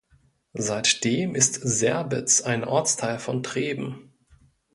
Seitdem ist Serbitz ein Ortsteil von Treben.